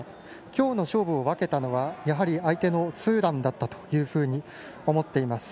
今日の勝負を分けたのはやはり、相手のツーランだったと思っています。